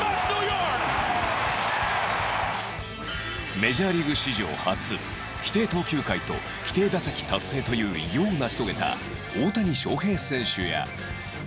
メジャーリーグ史上初規定投球回と規定打席達成という偉業を成し遂げた大谷翔平選手や